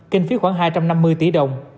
kinh phí khoảng hai trăm năm mươi tỷ đồng